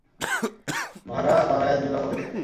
ভাড়া বাড়ায়া দিবা কবে থেকে?